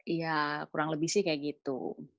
iya kurang lebih sih kayak gitu